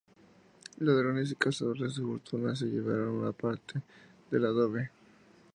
Ladrones y cazadores de fortuna se llevaron parte del adobe.